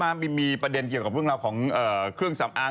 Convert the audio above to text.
มาร์มมีประเด็นของเราของเครื่องสำอาง